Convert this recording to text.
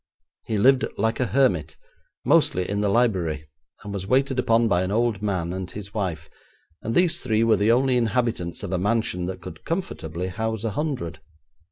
He lived like a hermit, mostly in the library, and was waited upon by an old man and his wife, and these three were the only inhabitants of a mansion that could comfortably house a hundred.